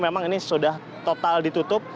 memang ini sudah total ditutup